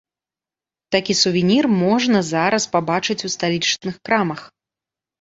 Такі сувенір можна зараз пабачыць у сталічных крамах.